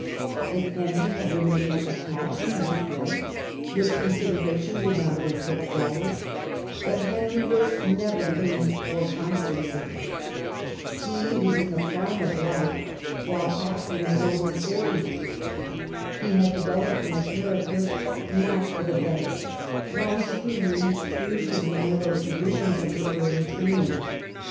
If Henry had remained attached to his wife this consideration would not have been put forward ; but Henry was never famed for constancy. He was in the prime of life, while Katharine was over forty. He had developed in char acter, not for the better, while she remained true to the narrow traditions of her early training.